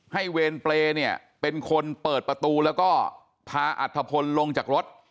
เวรเปรย์เนี่ยเป็นคนเปิดประตูแล้วก็พาอัฐพลลงจากรถ